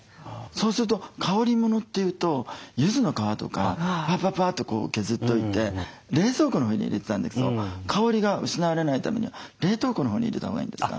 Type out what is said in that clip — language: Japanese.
そうすると香りものっていうとゆずの皮とかパパパッて削っといて冷蔵庫のほうに入れてたんですけど香りが失われないためには冷凍庫のほうに入れたほうがいいんですか？